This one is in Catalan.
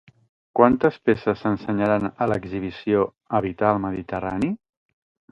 Quantes peces s'ensenyaran a l'exhibició "Habitar el Mediterrani"?